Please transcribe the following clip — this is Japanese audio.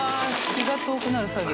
気が遠くなる作業。